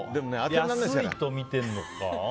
安いとみてるのか。